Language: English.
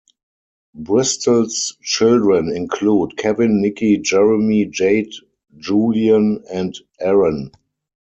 Bristol's children include Kevin, Nikki, Jeremy, Jade, Jewllian and Arran.